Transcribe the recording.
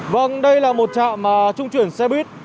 vâng đây là một trạm trung chuyển xe buýt